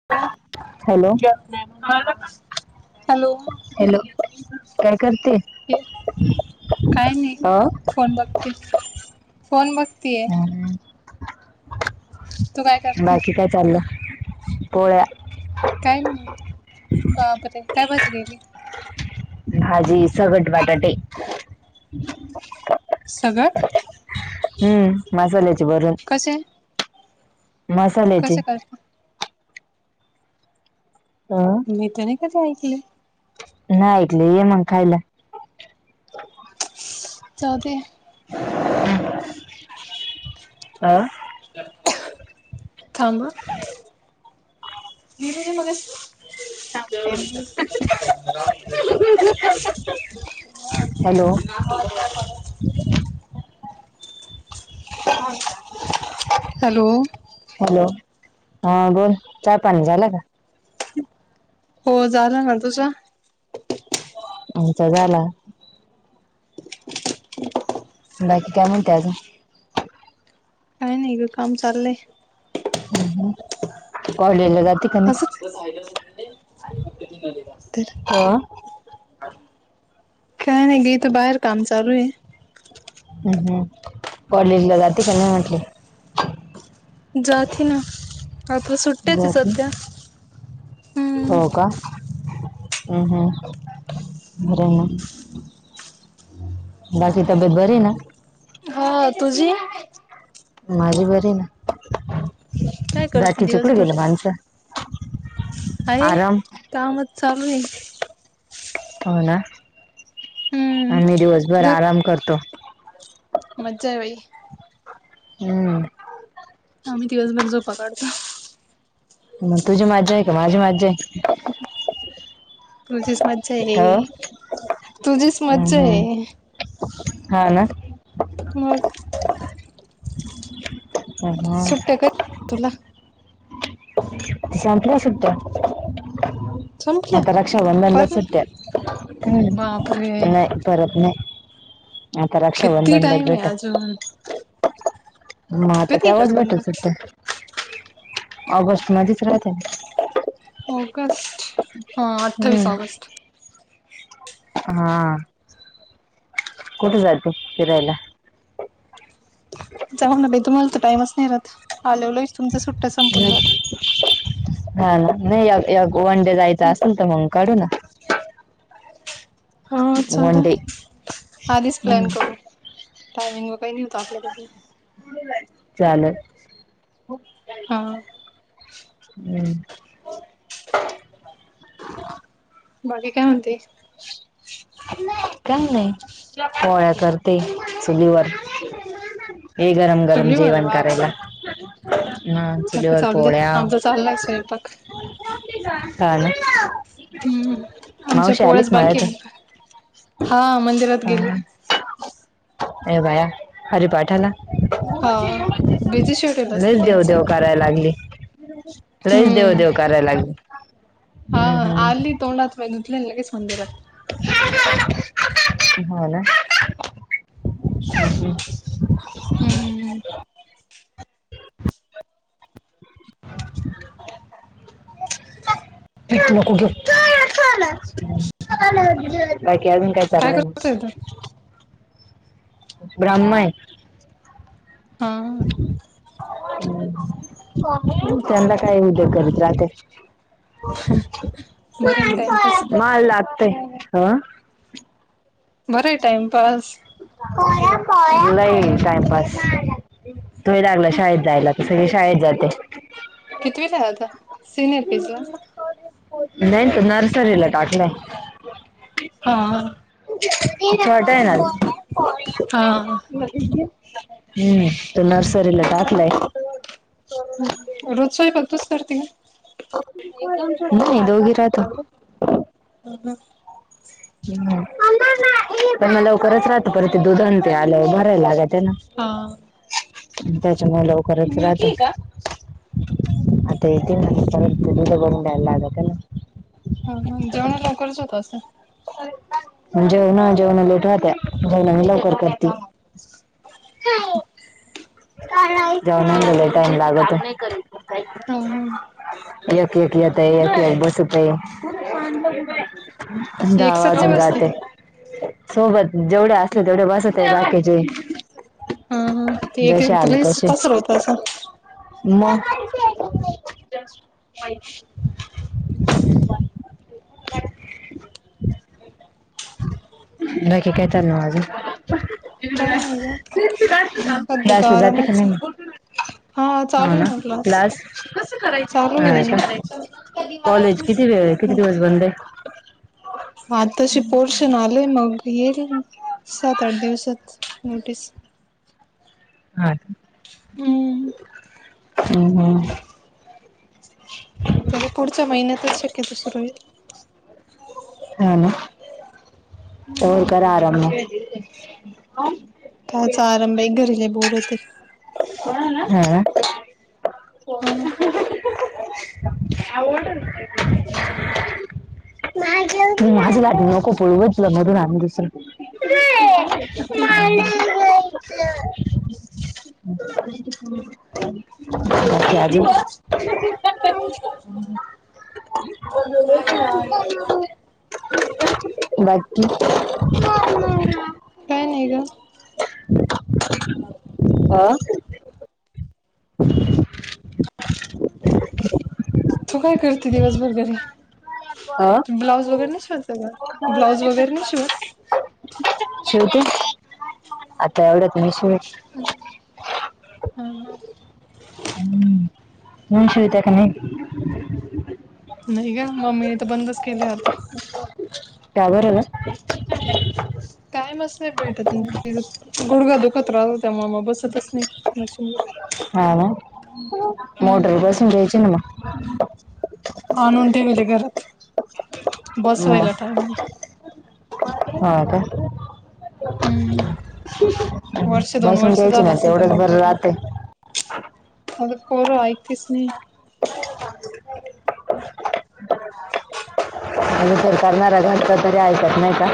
[inaudible] Hello hello hello काय करते? काय नाही. अ फोन बघते, फोन बघते. तू काय करते बाकी काय चाललंय? पोळ्या. काय नाही, बापरे! काय भाजी केली? भाजी सगट, बटाटे. सगट? हम्म मसाल्याचे भरून कसे मसाल्याचे कसे करता हा. मी तर कधी‌ नाही ऐकली? नाही ऐकली ये मग खायला. जाऊदे. हम्. आं. थांब हा. निरु जे माघाशी [unintelligible] हॅलो [unintelligible] ह [unintelligible] हॅलो. हॅलो. हा बोल चहा‌ पाणी झालं का? हो झाला ना तुझ? आमचा झाला. बाकी काय म्हणते‌ अजून? काय नाही ग काम चाललंय. हम्म कॉलेजला जाती अस [unintelligible] अ काय नाही ग इथे बाहेर काम चालू आहे. हम् हम् कॉलेज ला जाती का नाही म्हटल? जाती ना. आता सुतली हम्म हो का? हम् हम् बरंय ना. बाकी तब्येत बरी ना! हा तुझी माझी बरी आहे. काय करते दिवसभर आहे आराम कामच चालू आहे. हो ना हम्म आम्ही दिवसभर आराम करतो. मजा आहे बाई. हम्म. आम्ही दिवसभर झोपा काढतो. मग तुझी मज्जा आहे का माझी मज्जा आहे. [unintelligible] तुझीच मज्जा आहे हो तुझीच मज्जा आहे. हम्म. हा ना. मग सुट्ट्या कधी तुला [unintelligible] संपल्या सुट्या? संपल्या मता रक्षा बधंद पर सुट्टे ह बापरे न. परत नाही आता राक्षा किती बंधन बात टाइम आहे भेट अजून म आता कधी तेव्हाच भेटल रक्षाबंधन सुट्ट ऑगस्ट मधच राहते ना. ऑगस्ट हा अठ्ठावीस हम्म. ऑगस्ट. हा. कुठ जाती फिरायला? जाऊदे ना बाई तुमला तय टाइमच नाही रात आलवलोच तुमच सुट्ट संपून जात. हा नाही वन डे जायच असेल तर मग काढू ना. हा वन चाला डे आधीच प्लॅन हम्म करू. टायमिंग व काही नाही होत आपल्यालाून. चालेल हा हम्. बला काय होते. का नाही पोळ्या करते चुलीवर. हे गरम गरम चुलीवर जेवन वा वा करेला. वा ह बाकी चलवरर चालू दे पळ आमचा चाललाय स्वयंपाक काले. हम्म आमच्या आली पोळ्याच का बाकी हा. मंदिरात गेली ह अ भाया हरे पाठला. हा बिझी शेड्यूल असतं लच देऊ त्यांचं देव कराय लागली. लईस देव हम्म देव कय लागले. हा आल् तोंडतवयनत लगच मंदिरतात. हो ना. हम्म. ह. नको घेऊ बाकी अजून काय चाललंय ना. करतोय तू ब्रह्मण. हा. त्यांंद काय उद्या करत राहते. हम. माल आते हा. बरं आहे टाइमपास. नाही टाइमपास तुही लागलं शाळेत जायला. सगळी शाळेत जाते. केतवीला आता सीनियर पीजीला. नाही त नर्सरीला टाकलंय. हा ट आहे ना. हा हम्म त नर्सरीला टाकलाय. ह रोज सोय बद्तच कर त नाही इोगिरात. ह ह. हम् पण म लवकरच राहत पर ते दुधां ते आलं भरायला लागा ना. हा त्याच्यामुळे लवकरच राहते. पर द बला ना. हा जेवणा लवकरच होत असं. जेवणा जेवणा ललेटवत्या जेवणा म लॉकर करती. अ्. जवला टाइम लागत. हा हा. एक एक येत आहे एक एक बसतय. का [inaudible] दा एकसाथ नाही वाजून बसते. जाते, सोबत जेवढे असले तेवढे बसते बाकीचे हा हा, ते एक जसे आले लईचं तसे कसतर होत असं. मग [inaudible] बाकी काय चाललं आजून? काही नाही ग सध्या तर क्लासले जाते का आरामच नाही आहे. म? हा हो चालू ना, आहे क्लास, हा चालू आहे. का, कॉलेज किती वेळ? किती दिवस बंद आहे? हा तसे पोर्शन आले मग, येईल सात आठ दिवसात नोटीस. हा का. हम्म. हुं, हुं. तरी पुढच्या महिन्यातच शक्यतो सुरू होईल. हा ना, तवर हम्म. करा आराम मग. कायचा आराम बाई घरी लई बोर होते. हा. [unintelligible] हा ना. माझ लाटणं नको पळवू गं, तुला नवीन आणू दुसरं. [inaudible] [unintelligible] ती आजी [unintelligible] [unintelligible] बाकी काय नाही गं. आं तू काय करती दिवसभर घरी? आं ब्लाऊज वगैरे नाही शिवता का, ब्लाऊज वगैरे नाही शिवत? शिवते ना, आता एवढ्यात नाही शिव [unintelligible] तुम्ही शिवत्या काय नाही? नाही ग, मम्मीने तर बंदच केलय आता. [inaudible] का बरं ग? टाईम आस भेटत नाही, गुडगा दुखत राहतो त्यामूळ म बसतच नाही, मशीनवर. हा ना. मोटर हम्म. बसवून घ्यायची ना म. आणून ठेवीले घरात, मग बसवायला टाईम नाही. हो का? हम्म, वर्ष दोन बसून वर्ष घ्यायची झालं ना असेल त्या तेवढंच बरं मोटरला. राहते आगं पोरं ऐकतिस नाही. [inaudible] [unintelligible] करणारा झालता तरी ऐकत नाही का?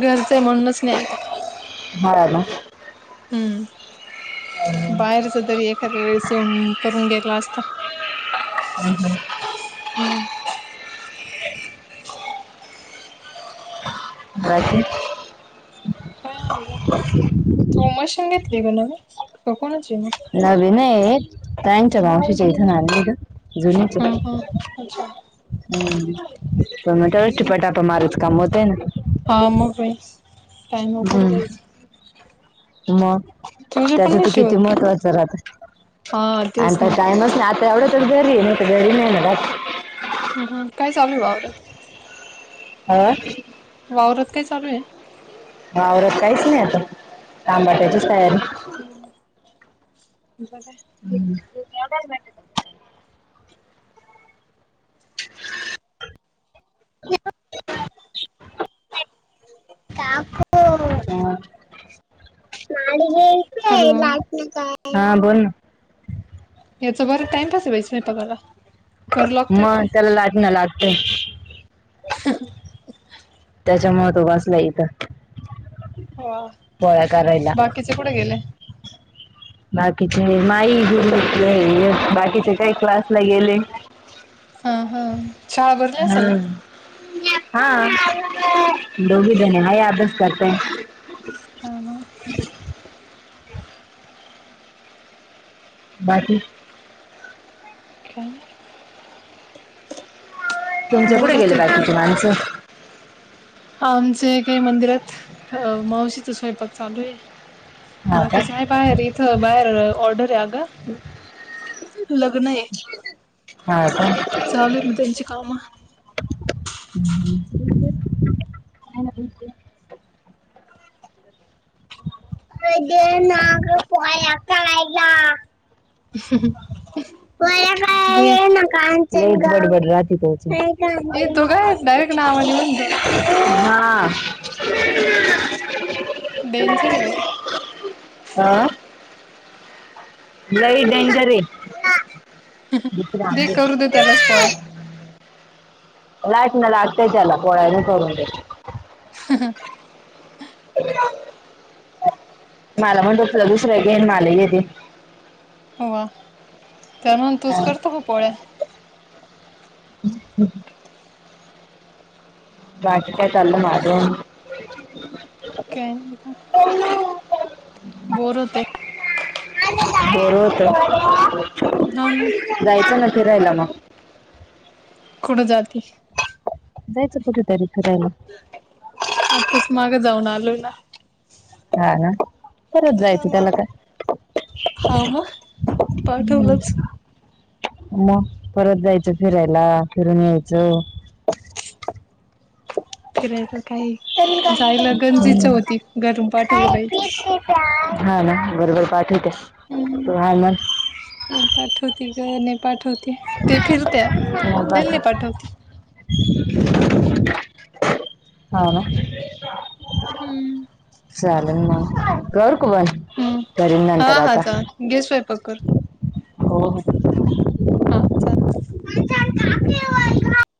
घरचंय म्हणूनच नाही ऐकत. हा ना. हम्म. [inaudible] बाहेरच तरी एखाद्या वेळेस येऊन, करून गेला आसता. हम्म हम्म. हम्म. बाकी? काय तू मशीन घेतली का नवीन? [unintelligible] कुणाचीय मग? नवीन [unintelligible] ताईंच्या मावशीच्या इथून आणली गं, हा जुनीचे. हा अच्छा हम्म, [unintelligible] मारच काम होते ना. हाव, मग काय. हम्म, मग तुझे पण त्याचं नाही तर किती शिवत का? महत्त्वाचं राहते. हा, तेच ना. तेवढ तरी घरी हे, नाही तर घरी नाही [unintelligible] हम्म हम्म, काय चालू हे वावरात? हां. वावरात काय चालू आहे? वावरत काहीच नाही आता. आंबाट्याचीच तयारी. [unintelligible] [unintelligible] काकू हं. हॅलो हा, बोल ना. याचं बरं टाइमपास व्हायच [unintelligible] मग त्याला लाट ना लागते. ह त्याच्यामुळ तो बासला इथं. हो, पोळ्या करायला बाकीचे कुठे गेले? बाकीचे [unintelligible] बाकीचे काही क्लासला गेले. हा हा, शाळा भरली असेल ना? हम्म. हा, दोघी बहिणी हाय अभ्यास करते. [unintelligible] बाकी? [unintelligible] तुमचे बोर कुठे गेले होतंय की लई बाकीचे माणसं? आमचे काही मंदिरात, मावशीचा स्वयंपाक चालू आहे, हा का बाकीचे आहे बाहेर इथं, बाहेर ऑर्डर आहे अग लग्न आहे. हा का चालू आहे मग त्यांची काम. [unintelligible] [unintelligible] [unintelligible] [unintelligible] दे [unintelligible] ये तो काय डायरेक्ट नावाने म्हणतो [unintelligible] [unintelligible] डेंजरे बाई. आं? लई डेंजर ए. दे करू दे त्यालाच पोळ्या. [unintelligible] मला आत्ताच आला. पोळ्या बी करून दे. मला पण दुसऱ्या दिवशी [unintelligible] हं. त्याला म्हण तूच करतो का पोळ्या? ह हम बाकी काय चाललं मग अजून. [unintelligible] का? बोर होतंय. बोर होतंय. जा ना. जायचं ना फिरायला मग? कुठं जाती? जायचं कुठेतरी फिरायला. आत्ताच माग जाऊन आलोय ना. हां. ना? परत जायचं त्याला काय? हां. मग? पाठवलंच. म परत जायचं फिरायला. फिरून यायचं. फिरायला काही, जायला गंज इच्छा हम्म. होती घरून पाठवलं हाय पाहिजे. पीते हा ना. बरोबर पाठवत्या. हम्म तू हा न - नाही पाठवती ग. नाही पाठवती. ते हा, फिरत्या. आपल्याला पाठव नाही पाठवती. हा का? हम्म. चालल म. करू का बंद? हम्म. हा हा. चा घे स्वयपाक करून. हो हो. हां. चा- [inaudible]